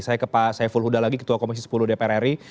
saya ke pak saiful huda lagi ketua komisi sepuluh dpr ri